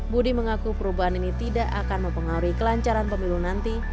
budi mengaku perubahan ini tidak akan mempengaruhi kelancaran pemilu nanti